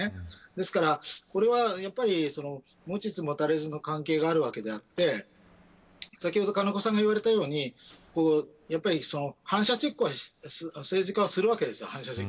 ですから、これは持ちつ持たれつの関係があるわけであって先ほど金子さんがいわれたように反社チェックを政治家はするわけです。